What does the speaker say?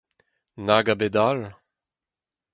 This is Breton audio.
Nag a bet all !